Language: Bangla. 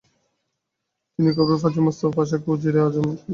তিনি কোপরুলু ফাজিল মোস্তাফা পাশাকে উজিরে আজম হিসেবে নিযুক্ত করেন।